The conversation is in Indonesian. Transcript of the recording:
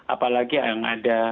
apalagi yang ada